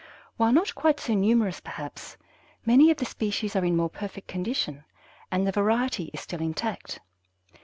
While not quite so numerous, perhaps, many of the species are in more perfect condition, and the variety is still intact.